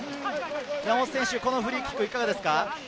このフリーキックいかがですか？